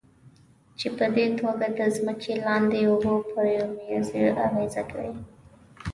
چې پدې توګه د ځمکې لاندې اوبو پر زېرمو اغېز کوي.